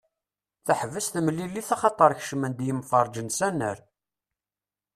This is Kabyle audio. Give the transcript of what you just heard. Teḥbes temilit axaṭer kecmen-d yemferrĝen s annar.